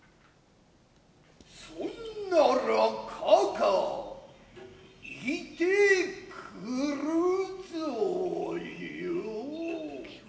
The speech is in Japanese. そんならかか行ってくるぞよ。